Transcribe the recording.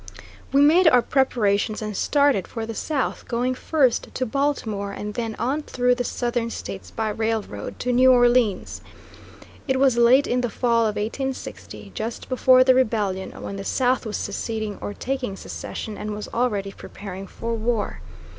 We made our preparations and started for the South, going first to Baltimore and then on through the Southern States by railroad to New Orleans. It was late in the fall of 1860, just before the rebellion, when the south was seceding or talking secession, and was already preparing for war.